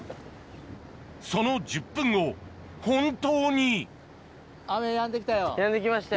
その１０分後本当にやんできましたよ。